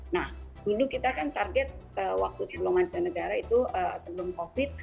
nah dulu kita kan target waktu sebelum mancanegara itu sebelum covid